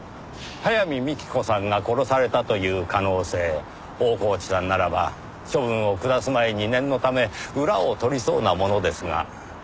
早見幹子さんが殺されたという可能性大河内さんならば処分を下す前に念のため裏を取りそうなものですが。